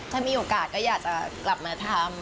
ถ้ามีโอกาสก็อยากจะกลับมาทำ